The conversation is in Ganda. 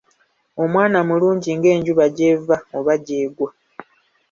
Omwana mulungi ng'enjuba gy'eva oba gy'egwa.